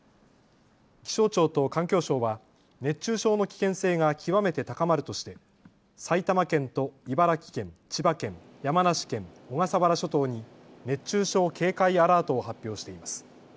気象庁と環境省は熱中症の危険性が極めて高まるとして埼玉県と茨城県、千葉県、山梨県、小笠原諸島に熱中症警戒アラートを発表しています。